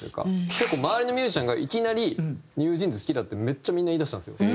結構周りのミュージシャンがいきなりＮｅｗＪｅａｎｓ好きだってめっちゃみんな言い出したんですよ。